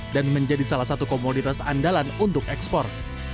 menjadi salah satu komoditas andalan untuk ekspor